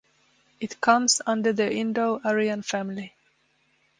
It comes under the Indo Aryan family.